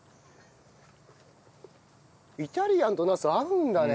イタリアンとナス合うんだね。